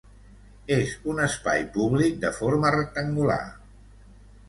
És un espai públic de forma rectangular.